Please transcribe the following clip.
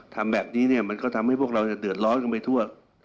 ทำแบบนี้เนี่ยก็ทำให้โปรจะเดือดร้อนกันไปทั่วก